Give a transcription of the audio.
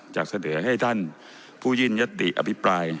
จะเสนอให้ท่านผู้ยื่นยติอภิปราย